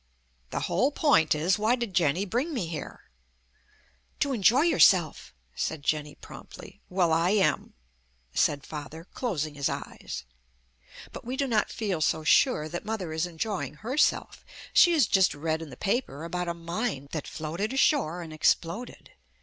"The whole point is, why did Jenny bring me here?" "To enjoy yourself," said Jenny promptly. "Well, I am," said Father, closing his eyes. But we do not feel so sure that Mother is enjoying herself. She has just read in the paper about a mine that floated ashore and exploded.